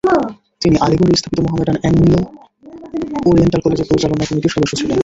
তিনি আলিগড়ে স্থাপিত মোহামেডান অ্যাংলো-ওরিয়েন্টাল কলেজের পরিচালনা কমিটির সদস্য ছিলেন।